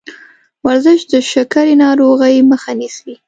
ورزش د شکرې ناروغۍ مخه نیسي.